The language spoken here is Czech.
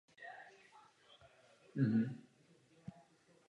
Temenem "Hřebenů" prochází rozvodí mezi Baltským a Severním mořem.